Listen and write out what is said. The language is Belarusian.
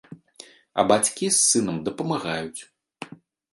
А бацькі з сынам дапамагаюць.